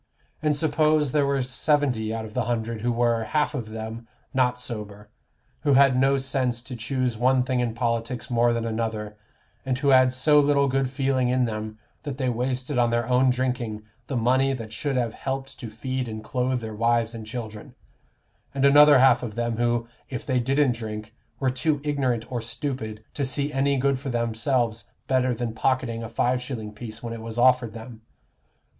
And suppose there were seventy out of the hundred who were, half of them, not sober, who had no sense to choose one thing in politics more than another, and who had so little good feeling in them that they wasted on their own drinking the money that should have helped to feed and clothe their wives and children; and another half of them who, if they didn't drink, were too ignorant or stupid to see any good for themselves better than pocketing a five shilling piece when it was offered them.